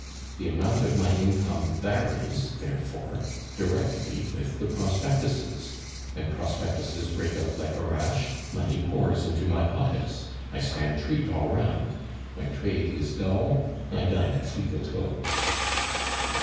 The amount of my income varies, therefore, directly with the prospectuses. When prospectuses break out like a rash, money pours into my pockets; I stand treat all round. When trade is dull, I dine at Flicoteaux's.